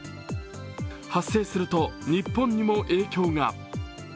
発生すると、日本にも影響が。